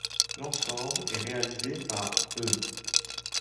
L'ensemble est réalisé par l'.